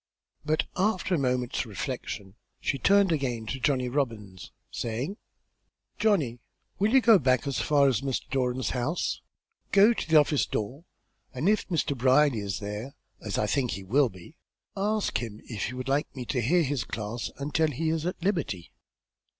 But after a moment's reflection she turned again to Johnny Robbins, saying: "Johnny, will you go back as far as Mr. Doran's house? Go to the office door, and if Mr. Brierly is there, as I think he will be, ask him if he would like me to hear his classes until he is at liberty."